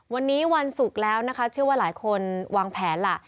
วันนี้วันศุกร์แล้วนะคะเชื่อว่าหลายคนวางแผนล่ะ